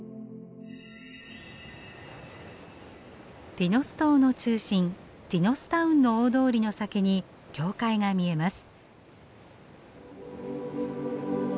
ティノス島の中心ティノスタウンの大通りの先に教会が見えます。